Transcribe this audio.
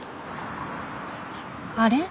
あれ？